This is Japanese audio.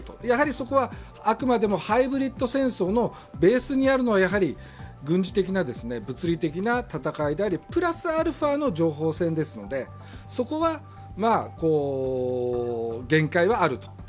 やはりそこは、あくまでもハイブリッド戦争のベースにあるのはやはり軍事的な物理的な戦いでありプラスアルファの情報戦ですのでそこは限界はあると。